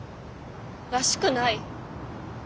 らしくない？